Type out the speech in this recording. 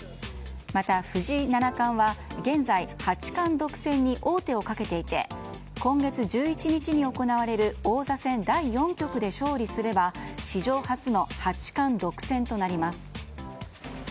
また、藤井七冠は現在八冠独占に王手をかけていて今月１１日に行われる王座戦第４局で勝利すれば史上初の八冠独占となります。